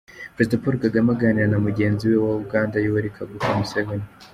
Perezida Paul Kagame aganira na mugenzi we wa Uganda Yoweli Kaguta Museveni.